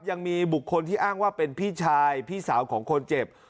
ยังมีบุคคลที่อ้างว่าเป็นพี่ชายพี่สาวของคนเจ็บ